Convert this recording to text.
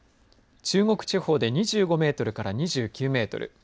中国地方で２５メートルから２９メートル